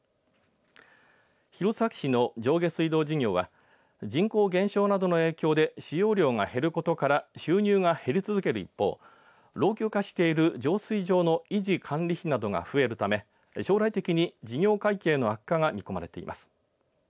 弘前市の上下水道事業は人口減少などの影響で使用量が減ることから収入が減り続ける一方老朽化している浄水場の維持、管理費などが増えるため将来的に事業会計の悪化が見込まれています。